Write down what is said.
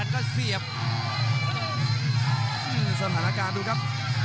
นี่สถานการณ์รู้ครับ